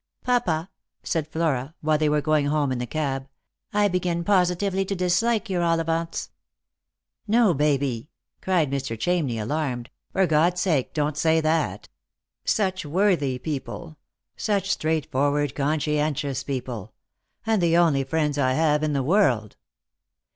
"Papa," said Flora, while they were going home in the cab, " I begin positively to dislike your Ollivants." " No, Baby," cried Mr. Chamney alarmed, " for God's sake don't say that. Such worthy people; such straightforward, conscientious people — and the only friends I have in the world."